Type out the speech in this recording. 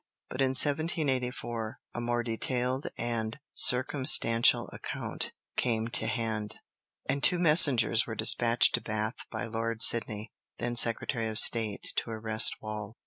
But in 1784 a more detailed and circumstantial account came to hand, and two messengers were despatched to Bath by Lord Sidney, then Secretary of State, to arrest Wall.